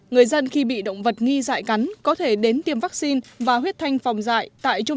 người dân khi bị động vật nghi dại cắn có thể đến tiêm vaccine và huyết thanh phòng dại